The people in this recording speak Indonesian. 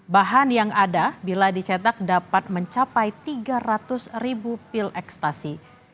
bahan yang ada bila dicetak dapat mencapai tiga ratus ribu pil ekstasi